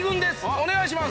お願いします！